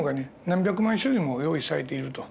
何百万種類も用意されていると。